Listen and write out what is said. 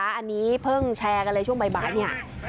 อันนี้เพิ่งแชร์กันเลยช่วงบ่ายเนี่ย